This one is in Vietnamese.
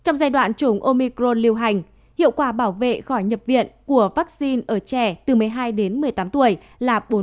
trong giai đoạn chủng omicron lưu hành hiệu quả bảo vệ khỏi nhập viện của vaccine ở trẻ từ một mươi hai đến một mươi tám tuổi là bốn